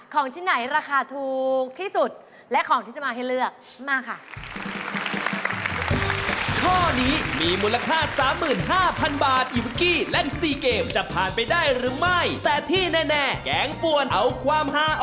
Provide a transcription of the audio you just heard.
ของชิ้นไหนราคาถูกที่สุดและของที่จะมาให้เลือกมาค่ะ